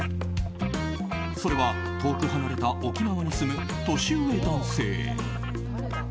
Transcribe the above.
それは遠く離れた沖縄に住む年上男性。